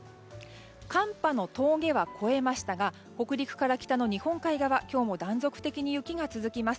寒波の峠は越えましたが北陸から北の日本海側今日も断続的に雪が続きます。